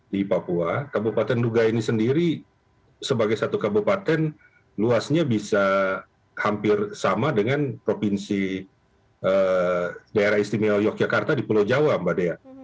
di papua kabupaten duga ini sendiri sebagai satu kabupaten luasnya bisa hampir sama dengan provinsi daerah istimewa yogyakarta di pulau jawa mbak dea